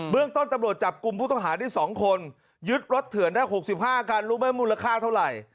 เรื่องต้นตำรวจจับกลุ่มผู้ต้องหาได้๒คนยึดรถเถื่อนได้๖๕คันรู้ไหมมูลค่าเท่าไหร่